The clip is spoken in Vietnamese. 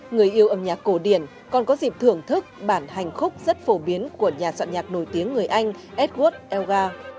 người yêu âm nhạc cổ điển còn có dịp thưởng thức bản hành khúc rất phổ biến của nhà soạn nhạc nổi tiếng người anh edward elga